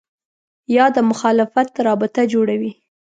یا د مخالفت رابطه جوړوي